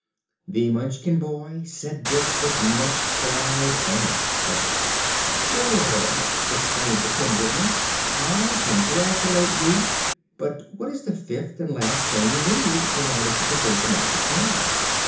The Munchkin boy said this with much pride and pleasure. "Good!" exclaimed the Tin Woodman; "I congratulate you. But what is the fifth and last thing you need, in order to complete the magic charm?"